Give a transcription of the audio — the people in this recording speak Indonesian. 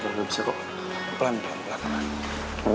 gak bisa kok pelan pelan pelan